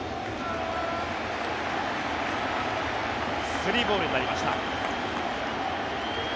３ボールになりました。